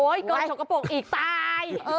โอ๊ยโกรชกกระโปรกอีกตาย